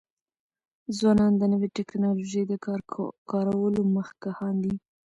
ځوانان د نوی ټکنالوژی د کارولو مخکښان دي.